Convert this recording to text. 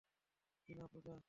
Tina, - Puja.